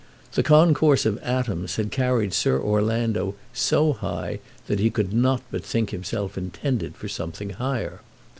The concourse of atoms had carried Sir Orlando so high that he could not but think himself intended for something higher.